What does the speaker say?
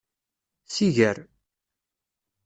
Siger.